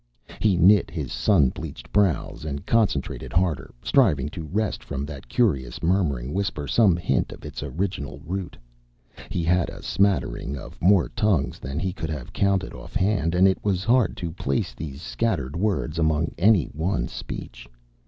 He knit his sun bleached brows and concentrated harder, striving to wrest from that curious, murmuring whisper some hint of its original root. He had a smattering of more tongues than he could have counted offhand, and it was hard to place these scattered words among any one speech.